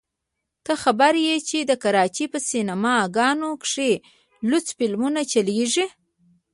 ته خبر يې چې د کراچۍ په سينما ګانو کښې لوڅ فلمونه چلېږي.